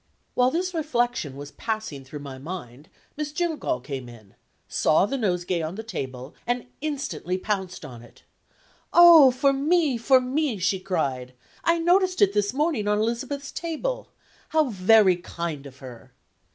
While this reflection was passing through my mind, Miss Jillgall came in saw the nosegay on the table and instantly pounced on it. "Oh, for me! for me!" she cried. "I noticed it this morning on Elizabeth's table. How very kind of her!"